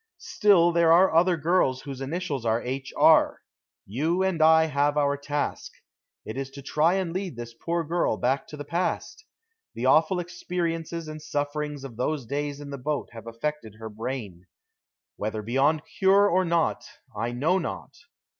Still there are other girls whose initials are H. R. You and I have our task. It is to try and lead this poor girl back to the past. The awful experiences and sufferings of those days in the boat have affected her brain. Whether beyond cure or not I know not.